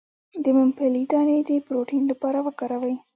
د ممپلی دانه د پروتین لپاره وکاروئ